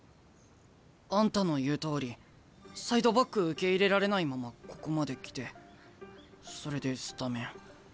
あんたの言うとおりサイドバック受け入れられないままここまで来てそれでスタメン。